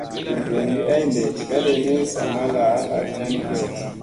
Veɗengi ay ɗeɗee kaɗi ni, zamalla hal a can kiyo.